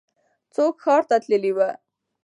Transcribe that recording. څوک ښار ته تللی و؟